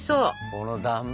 この断面。